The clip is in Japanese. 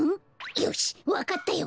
よしわかったよ！